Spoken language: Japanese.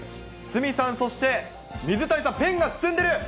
鷲見さん、そして水谷さん、ペンが進んでる。